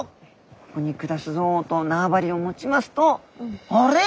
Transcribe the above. ここに暮らすぞと縄張りを持ちますと「あれ？